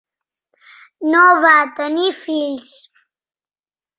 No va tenir fills.